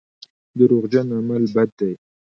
دروغجن عمل بد دی.